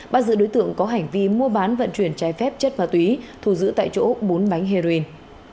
bắt giữ đối tượng có hành vi mua bán vận chuyển trái phép chất ma túy thù giữ tại chỗ bốn bánh heroin